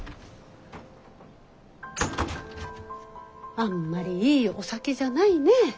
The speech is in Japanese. あんまりいいお酒じゃないね。